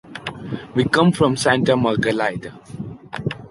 We come from Santa Margalida.